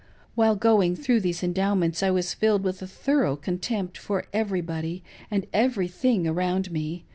While going through these Endowments I was filled with a thorough contempt for everybody and everything around me